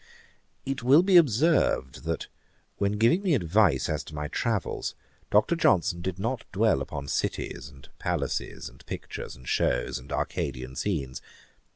It will be observed, that when giving me advice as to my travels, Dr. Johnson did not dwell upon cities, and palaces, and pictures, and shows, and Arcadian scenes.